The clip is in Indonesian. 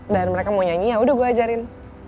dan mereka mau nyanyi yaudah gue ajarin